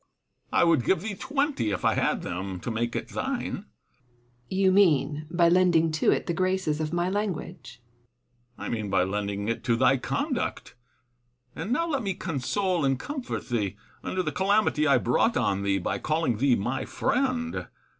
Epictetus. I would give thee twenty, if I had them, to make it thine. Seneca. You mean, by lending to it the graces of my language % Epictetus. I mean, by lending it to thy conduct. And now let me console and comfort thee, under the calamity I brought on thee l)y calling thee my friend.